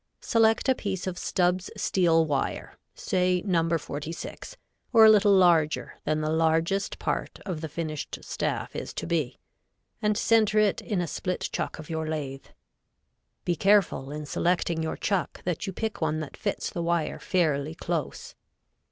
Select a piece of Stubb's steel wire, say No. 46, or a little larger than the largest part of the finished staff is to be, and center it in a split chuck of your lathe. Be careful in selecting your chuck that you pick one that fits the wire fairly close.